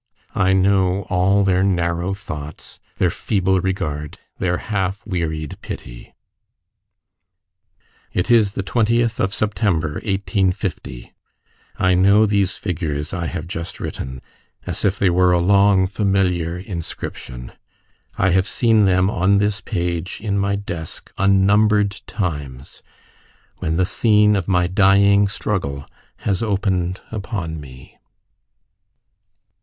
I know all their narrow thoughts, their feeble regard, their half wearied pity. It is the 20th of September, 1850. I know these figures I have just written, as if they were a long familiar inscription. I have seen them on this page in my desk unnumbered times, when the scene of my dying struggle has opened upon me